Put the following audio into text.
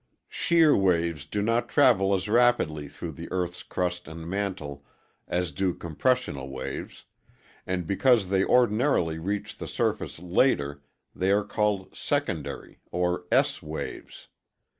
Shear waves do not travel as rapidly through the EarthŌĆÖs crust and mantle as do compressional waves, and because they ordinarily reach the surface later they are called ŌĆ£secondaryŌĆØ or ŌĆ£SŌĆØ waves.